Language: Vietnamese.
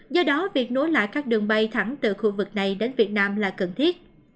do đó việc nối lại các đường bay thẳng từ khu vực này đến việt nam là cần thiết